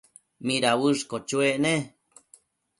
¿mida uëshquio chuec ne?